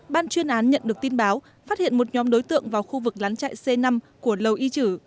ban chuyên án nhận được tin báo phát hiện một nhóm đối tượng vào khu vực lán chạy c năm của lầu y chử